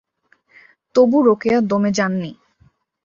তবু রোকেয়া দমে যাননি।